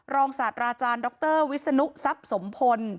รองศาสตราจารย์ดรวิศนุสับสมพล